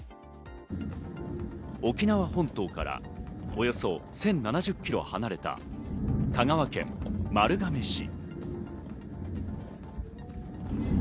沖縄本島からおよそ１０７０キロ離れた香川県丸亀市。